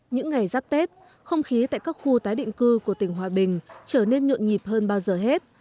những ngày giáp tết không khí tại các khu tái định cư của tỉnh hòa bình trở nên nhộn nhịp hơn bao giờ hết